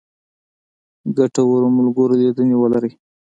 ګټورو ملګرو لیدنې ولرئ.